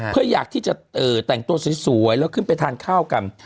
เพื่ออยากที่จะแต่งตัวสวยแล้วขึ้นไปทานข้าวกัน